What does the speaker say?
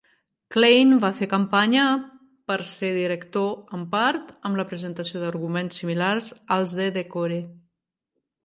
Klein va fer campanya per ser director en part amb la presentació d'arguments similars als de Decore.